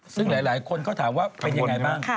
ซึ่งหลายคนเขาถามว่าเป็นยังไงบ้าง